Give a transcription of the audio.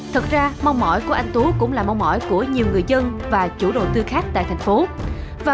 thật ra mong mỏi của anh tú cũng là mong mỏi của nhiều người dân và chủ đầu tư khác tại thành phố